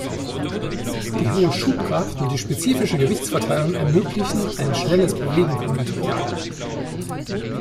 Die hohe Schubkraft und die spezifische Gewichtsverteilung ermöglichen ein schnelles Bewegen von Material.